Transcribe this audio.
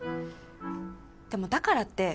でもだからって